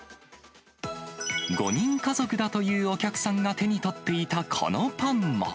５人家族だというお客さんが手に取っていたこのパンも。